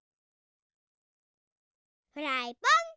フライパン。